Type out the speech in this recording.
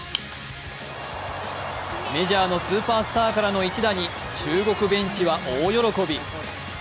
メジャーのスーパースターからの一打に中国ベンチは大喜び。